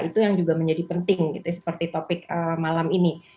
itu yang juga menjadi penting seperti topik malam ini